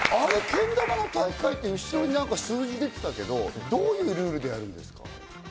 けん玉の大会って後ろに数字が出てたけど、どういうルールでやるんですか？